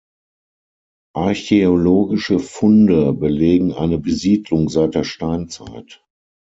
Archäologische Funde belegen eine Besiedlung seit der Steinzeit.